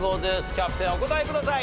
キャプテンお答えください。